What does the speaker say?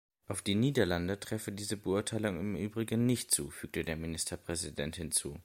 Auf die Niederlande treffe diese Beurteilung im Übrigen nicht zu, fügte der Ministerpräsident hinzu.